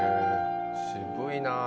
渋いなあ。